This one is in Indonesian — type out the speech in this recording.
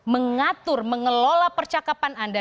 mengatur mengelola percakapan anda